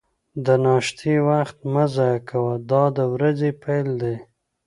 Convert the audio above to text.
د ناشتې وخت مه ضایع کوه، دا د ورځې پیل دی.